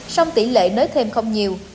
song tỷ lệ nới thêm không nhiều